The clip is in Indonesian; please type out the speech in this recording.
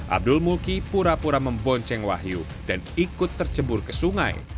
abdul mulki pura pura membonceng wahyu dan ikut tercebur ke sungai